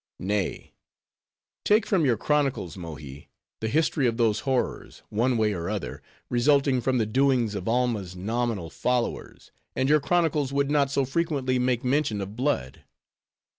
Nay: take from your chronicles, Mohi, the history of those horrors, one way or other, resulting from the doings of Alma's nominal followers, and your chronicles would not so frequently make mention of blood.